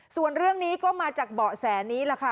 ส่วนเรื่องนี้ก็มาจากเบาะแสนี้แหละค่ะ